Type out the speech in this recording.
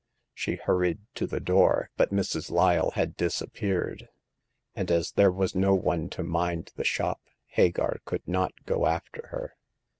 She hurried to the door, but Mrs. Lyle had disap peared, and as there was no one to mind the shop, Hagar could not go after her.